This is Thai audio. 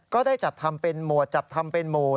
ก็ได้จัดทำเป็นโหมดจัดทำเป็นโหมด